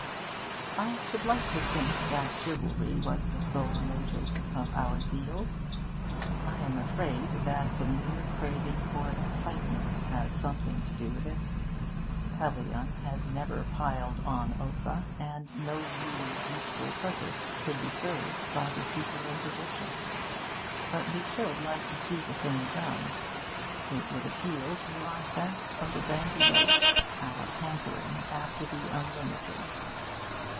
I should like to think that chivalry was the sole motive of our zeal. I am afraid that the mere craving for excitement has something to do with it. Pelion has never been piled on Ossa; and no really useful purpose could be served by the superimposition. But we should like to see the thing done. It would appeal to our sense of the grandiose our hankering after the unlimited.